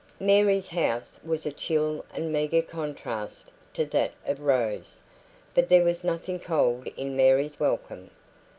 Mary's house was a chill and meagre contrast to that of Rose, but there was nothing cold in Mary's welcome.